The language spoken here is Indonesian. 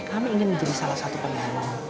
kami ingin menjadi salah satu penyandang